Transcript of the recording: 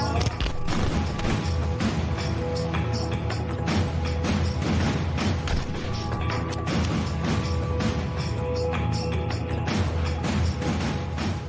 ได้ค่ะ